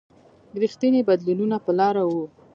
رښتیني بدلونونه پر لاره و.